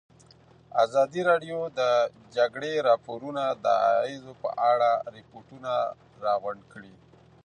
ازادي راډیو د د جګړې راپورونه د اغېزو په اړه ریپوټونه راغونډ کړي.